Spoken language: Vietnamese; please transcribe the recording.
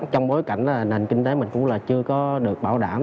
trong bối cảnh nền kinh tế mình cũng là chưa có được bảo đảm